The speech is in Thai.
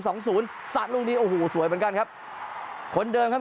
สองศูนย์สระลูกนี้โอ้โหสวยเหมือนกันครับคนเดิมครับ